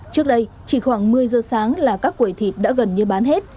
trước đây chỉ khoảng một mươi giờ sáng là các quầy thịt đã gần như bán hết